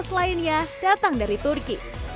roti khas lainnya datang dari turki